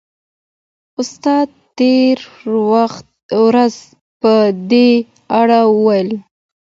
استاد تېره ورځ په دې اړه وویل.